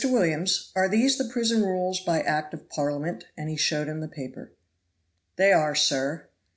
Williams, are these the Prison Rules by Act of Parliament?" and he showed him the paper. "They are, sir."